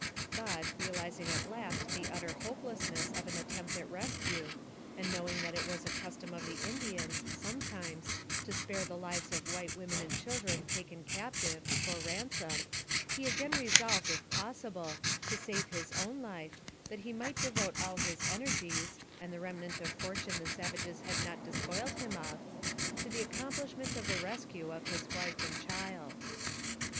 But, realizing at last the utter hopelessness of an attempt at rescue, and knowing that it was a custom of the Indians, sometimes, to spare the lives of white women and children taken captive, for ransom, he again resolved, if possible, to save his own life, that he might devote all his energies, and the remnant of fortune the savages had not despoiled him of, to the accomplishment of the rescue of his wife and child.